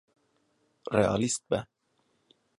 Realîst be.